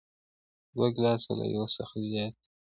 دوه ګيلاسه له يوه څخه زيات دي.